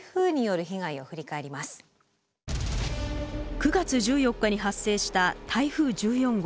９月１４日に発生した台風１４号。